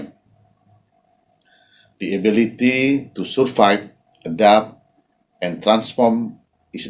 kemampuan untuk bertahan beradaptasi dan membangun